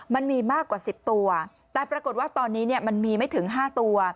มันมีมากกว่า๑๐ตัวแต่ปรากฏว่าตอนนี้เนี่ยมันมีไม่ถึง๕ตัว